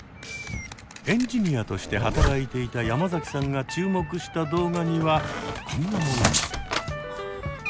エンジニアとして働いていた山崎さんが注目した動画にはこんなものも。